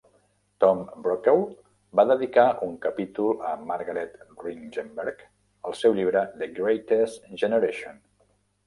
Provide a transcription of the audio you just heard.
Tom Brokaw va dedicar un capítol a Margaret Ringenberg al seu llibre "The Greatest Generation".